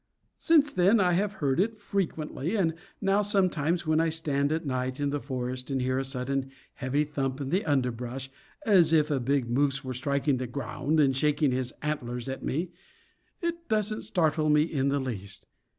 Since then I have heard it frequently; and now sometimes when I stand at night in the forest and hear a sudden heavy thump in the underbrush, as if a big moose were striking the ground and shaking his antlers at me, it doesn't startle me in the least.